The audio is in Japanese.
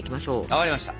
分かりました。